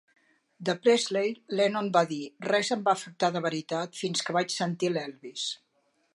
De Presley, Lennon va dir: "Res em va afectar de veritat fins que vaig sentir l'Elvis".